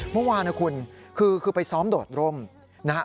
เมื่อวานนะคุณคือไปซ้อมโดดร่มนะฮะ